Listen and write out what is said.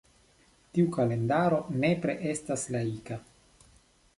Tiu kalendaro nepre estas laika.